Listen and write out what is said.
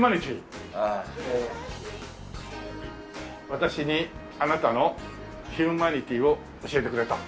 「私にあなたのヒューマニティーを教えてくれ」と。